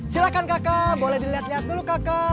silahkan kakak boleh dilihat lihat dulu kakak